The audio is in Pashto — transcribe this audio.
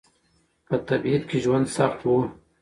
په تبعيد کې ژوند سخت و.